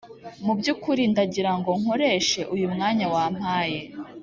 mubyukuri ndagirango nkoreshe uyumwanya wampaye